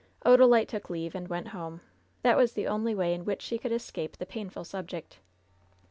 Odalite took leave, and went home. That was the only way in which she could escape the painful subject.